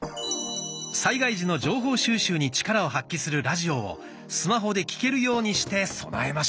災害時の情報収集に力を発揮するラジオをスマホで聴けるようにして備えましょう。